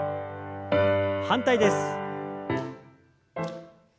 反対です。